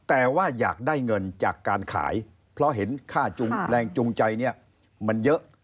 แต่ว่าอยากได้เงินจากการขายเพราะเห็นค่าแรงจูงใจเนี่ยมันเยอะ